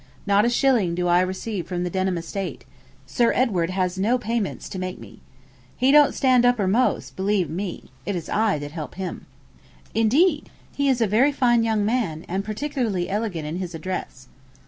Not a shilling do I receive from the Denham estate. Sir Edward has no payments to make me. He don't stand uppermost, believe me; it is I that help him.' 'Indeed! he is a very fine young man, and particularly elegant in his address.'